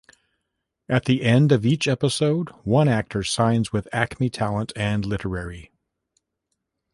At the end of each episode, one actor signs with Acme Talent and Literary.